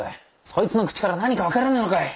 そいつの口から何か分からねえのかい？